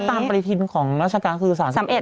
ถ้าตามปริธินของราชกาคือ๓๑